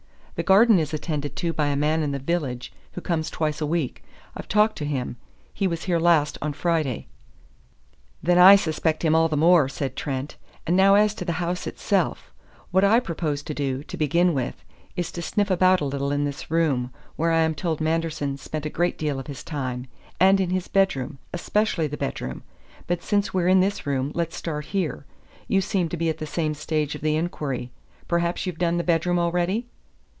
"The garden is attended to by a man in the village, who comes twice a week. I've talked to him. He was here last on Friday." "Then I suspect him all the more," said Trent. "And now as to the house itself. What I propose to do, to begin with, is to sniff about a little in this room, where I am told Manderson spent a great deal of his time, and in his bedroom; especially the bedroom. But since we're in this room, let's start here. You seem to be at the same stage of the inquiry. Perhaps you've done the bedroom already?"